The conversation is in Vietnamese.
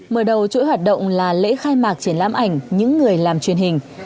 mở đầu chuỗi hoạt động là lễ khai mạc triển lãm ảnh những người làm truyền hình